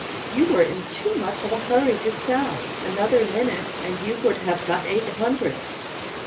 You were in too much of a hurry to sell. Another minute, and you would have got eight hundred."